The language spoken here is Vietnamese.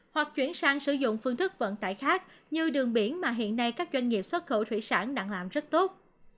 hoặc chuyển sang sử dụng phương thức vận tải khác như đường biển mà hiện nay các doanh nghiệp xuất khẩu thủy sản đang làm rất tốt